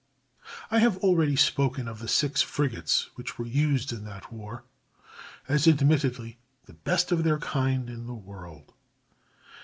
I have already spoken of the six frigates which were used in that war, as admittedly the best of their kind in the world.